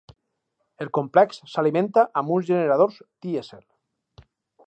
El complex s'alimenta amb uns generadors dièsel.